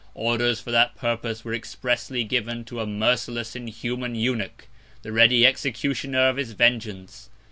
Orders for that Purpose were expressly given to a merciless, inhuman Eunuch, the ready Executioner of his Vengeance.